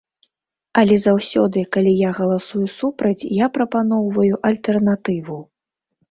Але заўсёды, калі я галасую супраць, я прапаноўваю альтэрнатыву.